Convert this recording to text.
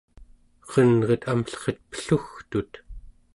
erenret amlleret pellugtut